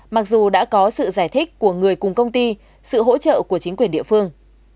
mặc dù đã có sự giải thích của người cùng công ty sự hỗ trợ của chính quyền địa phương